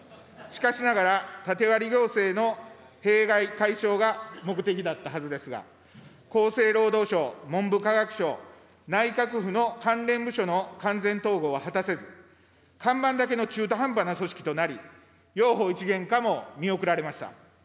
しかしながら、縦割り行政の弊害解消が目的だったはずですが、厚生労働省、文部科学省、内閣府の関連部署の完全統合は果たせず、看板だけの中途半端な組織となり、幼保一元化も見送られました。